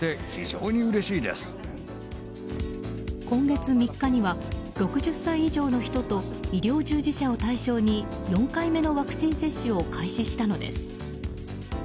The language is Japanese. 今月３日には６０歳以上の人と医療従事者を対象に４回目のワクチン接種を開始したのです。